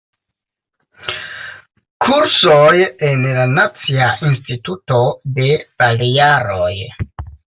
Kursoj en la Nacia Instituto de Balearoj.